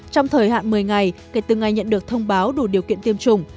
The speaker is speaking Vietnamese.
trong thời hạn một mươi ngày kể từ ngày nhận được thông báo đủ điều kiện tiêm chủng